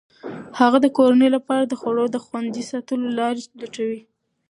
هغه د کورنۍ لپاره د خوړو د خوندي ساتلو لارې لټوي.